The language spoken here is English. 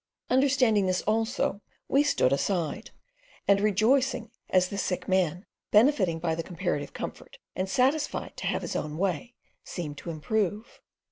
Understanding this also, we stood aside, and rejoicing as the sick man, benefiting by the comparative comfort and satisfied to have his own way, seemed to improve.